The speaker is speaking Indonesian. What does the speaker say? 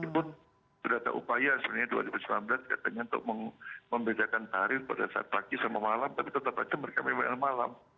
pun sudah ada upaya sebenarnya dua ribu sembilan belas katanya untuk membedakan karir pada saat pagi sama malam tapi tetap saja mereka mewah malam